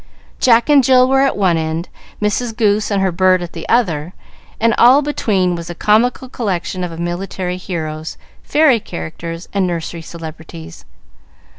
Jack and Jill were at one end, Mrs. Goose and her bird at the other, and all between was a comical collection of military heroes, fairy characters, and nursery celebrities.